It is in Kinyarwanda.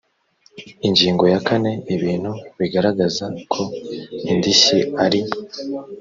ingingo ya kane ibintu bigaragaza ko indishyi ari